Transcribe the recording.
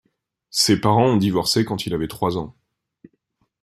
Ses parents ont divorcé quand il avait trois ans.